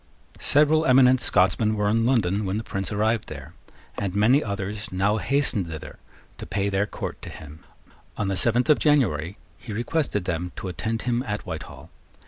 Several eminent Scotsmen were in London when the Prince arrived there; and many others now hastened thither to pay their court to him. On the seventh of January he requested them to attend him at Whitehall.